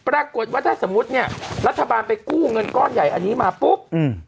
ปรากฏว่าถ้าสมมุติเนี่ยรัฐบาลไปกู้เงินก้อนใหญ่อันนี้มาปุ๊บอืม